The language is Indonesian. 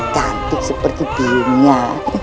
cantik seperti biunya